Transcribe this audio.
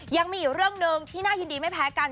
ยังมีอีกเรื่องหนึ่งที่น่ายินดีไม่แพ้กัน